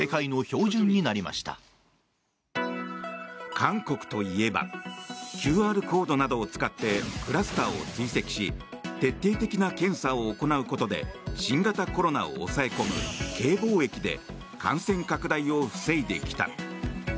韓国といえばＱＲコードなどを使ってクラスターを追跡し徹底的な検査を行うことで新型コロナを抑え込むＫ防疫で感染拡大を防いできた。